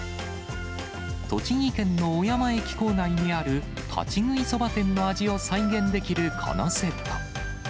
栃木県の小山駅構内にある、立ち食いそば店の味を再現できるこのセット。